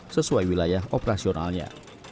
sesuai wilayah operasionalnya